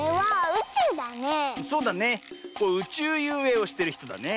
うちゅうゆうえいをしてるひとだね。